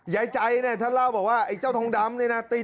ยายใจเนี่ยท่านเล่าบอกว่าไอ้เจ้าทองดำเนี่ยนะ